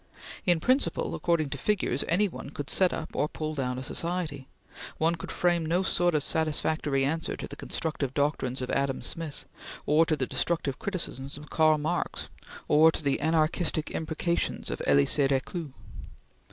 In principle, according to figures, any one could set up or pull down a society. One could frame no sort of satisfactory answer to the constructive doctrines of Adam Smith, or to the destructive criticisms of Karl Marx or to the anarchistic imprecations of Elisee Reclus.